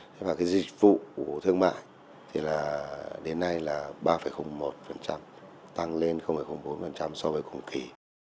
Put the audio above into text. thế và cái dịch vụ của thương mại thì là đến nay là ba một tăng lên bốn so với cùng kỳ